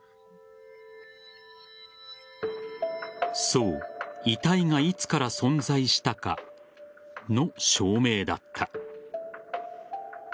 そう遺体がいつから存在したかの証明だった。